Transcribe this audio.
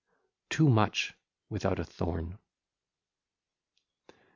too much without a thorn.